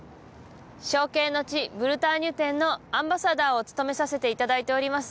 「憧憬の地ブルターニュ」展のアンバサダーを務めさせていただいております